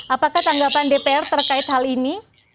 apakah tanggapan dpr terkait hal ini